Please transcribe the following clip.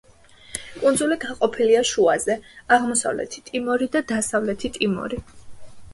კუნძული გაყოფილია შუაზე, აღმოსავლეთი ტიმორი და დასავლეთი ტიმორი.